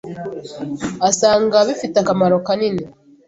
asanga bifite akamaro kanini